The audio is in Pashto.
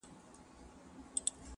دکرنتین درخصتی څخه په استفاده!